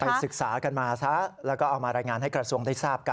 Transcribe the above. ศึกษากันมาซะแล้วก็เอามารายงานให้กระทรวงได้ทราบกัน